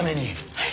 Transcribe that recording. はい。